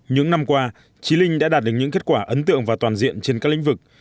những năm qua trí linh đã đạt được những kết quả ấn tượng và toàn diện trên các lĩnh vực